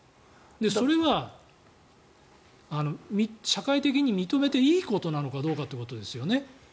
それが社会的に認めていいことなのかどうかということですよね。